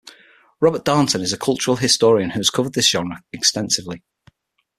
Robert Darnton is a cultural historian who has covered this genre extensively.